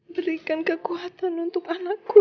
berikan kekuatan untuk anakku